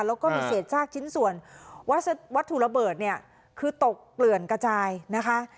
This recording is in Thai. แล้วก็มีเศษซากชิ้นส่วนวัตถุระเบิดเนี่ยคือตกเกลื่อนกระจายนะคะ